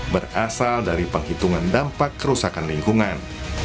berasal dari penghitungan dampak kerusakan lingkungan